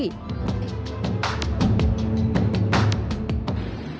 kepala kepala kepala kepala